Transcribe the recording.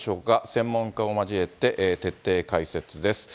専門家を交えて、徹底解説です。